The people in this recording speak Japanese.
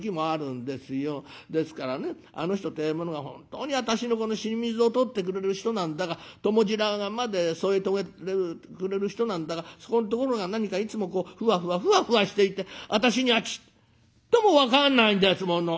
ですからねあの人ってえものが本当に私の死に水を取ってくれる人なんだか共白髪まで添え遂げてくれる人なんだかそこんところが何かいつもこうふわふわふわふわしていて私にはちっとも分かんないんですもの」。